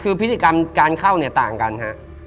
คือพฤติกรรมการเข้าเนี่ยต่างกันฮะ